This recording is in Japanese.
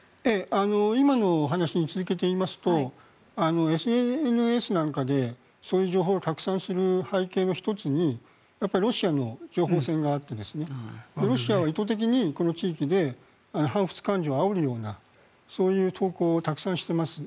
今のお話に続けていいますとＳＮＳなんかでそういう情報が拡散する背景の１つにロシアの情報戦があってロシアは意図的にこの地域で反仏感情をあおるようなそういう投稿をたくさんしています。